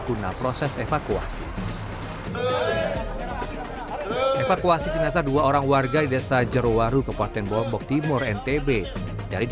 guna proses evakuasi evakuasi jenazah dua orang warga di desa jerowaru kekuatan bawang bok timur